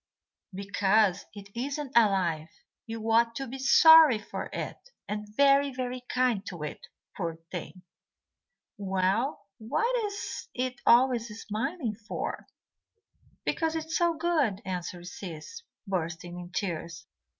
"Because it isn't alive. You ought to be sorry for it, and very, very kind to it, poor thing." "Well, what is it always smiling for?" "Because it is so good," answered Sis, bursting into tears.